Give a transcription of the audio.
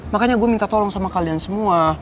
makanya gue minta tolong sama kalian semua